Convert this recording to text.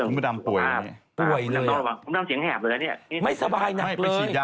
มึดัมถ้วยเลย